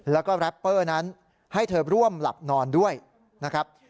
แล้วก็แรปเปอร์นั้นให้เธอร่วมหลับนอนด้วยนะครับ